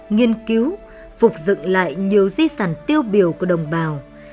nghiên cứu phục dựng lại nhiều di sản tiêu biểu của đồng bào